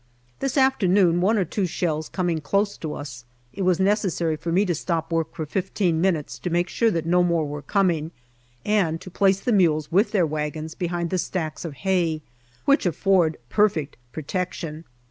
This afternoon, one or two shells coming close to us, it was necessary for me to stop work for fifteen minutes to make sure that no more were coming, and to place the mules with their wagons behind the stacks of hay, which afford perfect protection.